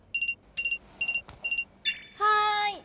はい。